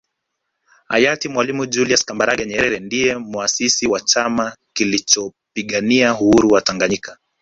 Hayati Mwalimu Julius Kambarage Nyerere ndiye Muasisi wa Chama kilichopigania uhuru wa Tanganyika